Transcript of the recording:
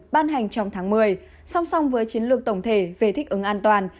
ban hành trong tháng một mươi song song với chiến lược tổng thể về thích ứng an toàn